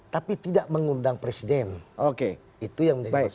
tapi tidak mengundang presiden itu yang menjadi masalah